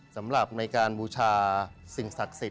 สำหรับในการบูชาสิ่งศักดิ์สิทธ